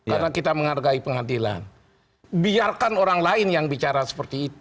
karena kita menghargai pengadilan biarkan orang lain yang bicara seperti itu